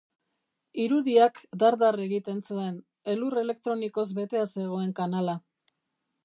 Irudiak dar-dar egiten zuen, elur elektronikoz betea zegoen kanala.